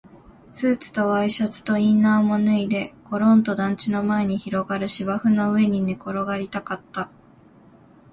スーツとワイシャツとインナーも脱いで、ごろんと団地の前に広がる芝生の上に寝転がりたかった